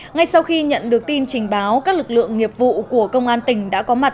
ngay sau khi nhận được tin trình báo các lực lượng nghiệp vụ của công an tỉnh đã có mặt